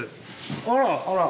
あら。